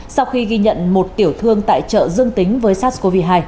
sau khi ghi nhận một tiểu thương tại chợ dương tính với sars cov hai